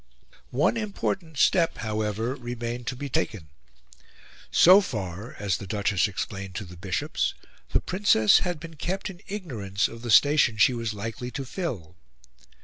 One important step, however, remained to be taken. So far, as the Duchess explained to the Bishops, the Princess had been kept in ignorance of the station that she was likely to fill.